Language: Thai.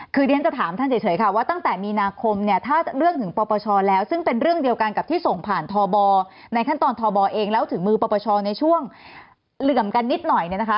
คือเรียนจะถามท่านเฉยค่ะว่าตั้งแต่มีนาคมเนี่ยถ้าเรื่องถึงปปชแล้วซึ่งเป็นเรื่องเดียวกันกับที่ส่งผ่านทบในขั้นตอนทบเองแล้วถึงมือปปชในช่วงเหลื่อมกันนิดหน่อยเนี่ยนะคะ